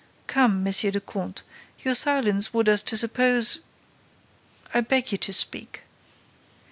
"Come, Monsieur le Comte, your silence would allow us to suppose—I beg you to speak."